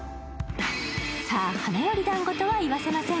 さあ、花よりだんごとは言わせません。